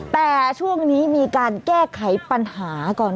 แต่ช่วงนี้มีการแก้ไขปัญหาก่อน